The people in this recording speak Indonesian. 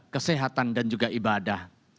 kesehatan dan juga ibadah